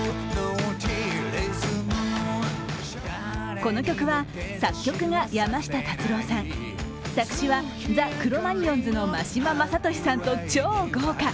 この曲は作曲が山下達郎さん、作詞はザ・クロマニヨンズの真島昌利さんと超豪華。